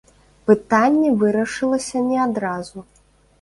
Пытанне вырашылася не адразу.